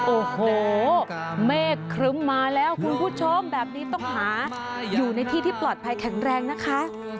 โอ้โหเมฆครึ้มมาแล้วคุณผู้ชมแบบนี้ต้องหาอยู่ในที่ที่ปลอดภัยแข็งแรงนะคะ